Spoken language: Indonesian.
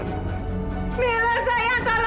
jangan pernah ngeremehin kekuatan lu